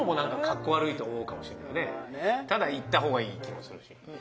ただ言ったほうがいい気もするし。